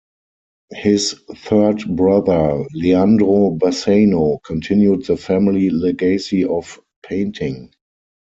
His third brother Leandro Bassano continued the family legacy of painting.